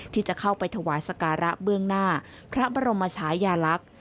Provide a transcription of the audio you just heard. ที่จะเข้าไปถวายสการะเบื้องหน้าพระบรมชายาลักษณ์